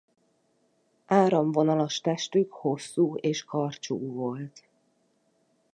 Áramvonalas testük hosszú és karcsú volt.